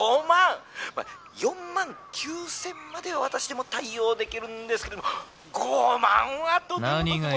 ４万９，０００までは私でも対応できるんですけども５万はとてもとても！」。